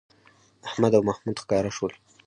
احمد او محمود ښکاره شول